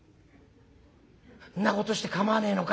「んなことして構わねえのか？」。